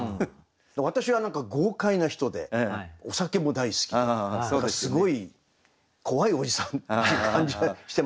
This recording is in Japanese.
私は何か豪快な人でお酒も大好きですごい怖いおじさんという感じがしてましたけど。